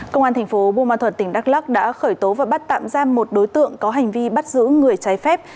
công an tp buôn ma thuật tỉnh đắk lắk đã khởi tố và bắt tạm ra một đối tượng có hành vi bắt giữ người trái phép